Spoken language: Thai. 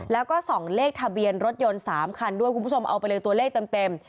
แล้วก็ส่องเลขทะเบียนรถยนต์๓คันด้วยคุณผู้ชมเอาไปเลยตัวเลขเต็ม